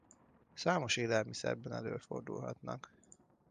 Számos élelmiszerben előfordulhatnak.